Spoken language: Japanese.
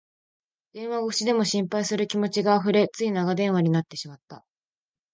電話越しでも心配する気持ちがあふれ、つい長電話になってしまった